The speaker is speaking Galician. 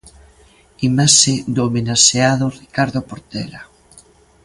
Imaxe do homenaxeado Ricardo Portela.